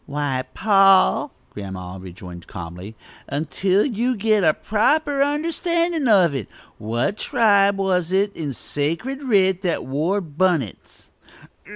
"Why, pa," Grandma rejoined calmly; "until you git a proper understandin' of it. What tribe was it in sacred writ that wore bunnits?"